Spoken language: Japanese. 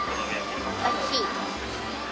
おいしい。